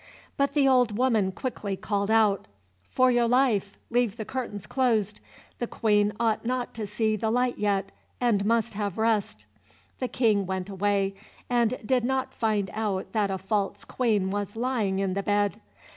But the old woman quickly called out, "For your life leave the curtains closed; the Queen ought not to see the light yet, and must have rest." The King went away, and did not find out that a false Queen was lying in the bed.